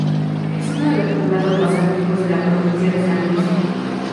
Es uno de los poblados más antiguos de la provincia de San Luis.